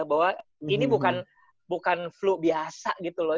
bahwa ini bukan flu biasa gitu loh